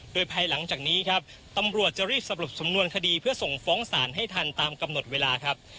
โดยภายหลังจากนี้ครับตำรวจจะรีบสรุปสำนวนคดีเพื่อส่งฟ้องศาลให้ทันตามกำหนดเวลาครับ